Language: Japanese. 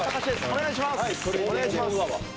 お願いします